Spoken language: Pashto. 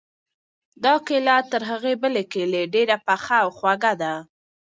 دا کیله تر هغې بلې کیلې ډېره پخه او خوږه ده.